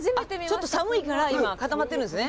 ちょっと寒いから今固まっているんですね。